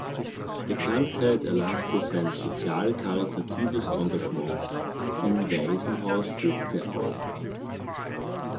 Bekanntheit erlangte sein sozial-karitatives Engagement im "Waisenhaus ob der Au".